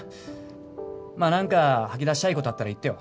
なんか吐き出したい事あったら言ってよ。